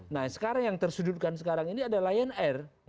nah sekarang yang tersudutkan sekarang ini adalah lion air